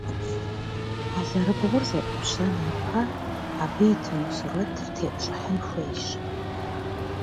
Алэрыбгъур зэIупщэн ипэ, абы итыну сурэтыр тепщIыхьын хуейщ.